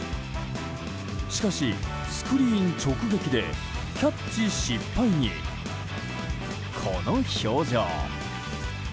しかし、スクリーン直撃でキャッチ失敗でこの表情。